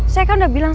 saya kan udah bilang